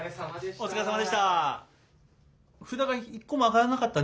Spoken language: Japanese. お疲れさまでした。